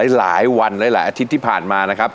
หลายวันหลายอาทิตย์ที่ผ่านมานะครับ